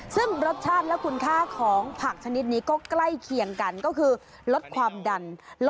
ซึ่งรสชาติและคุณค่าของผักชนิดนี้ก็กล้ายเคียงกัน